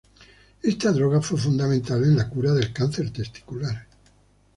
Esta droga fue fundamental en la cura del cáncer testicular.